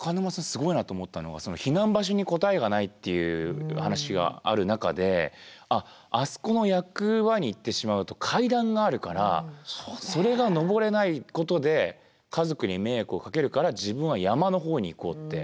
すごいなと思ったのは避難場所に答えがないっていう話がある中であそこの役場に行ってしまうと階段があるからそれが上れないことで家族に迷惑をかけるから自分は山のほうに行こうって。